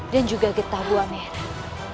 dan juga getah buah merah